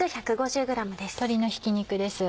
鶏のひき肉です。